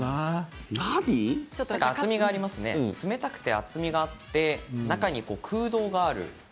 冷たくて厚みがあって中に空洞がある。